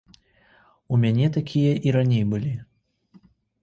У мяне такія і раней былі.